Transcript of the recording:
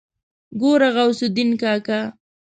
ګوره غوث الدين کاکا.